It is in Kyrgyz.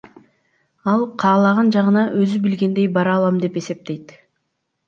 Ал каалаган жагына өзү билгендей бара алам деп эсептейт.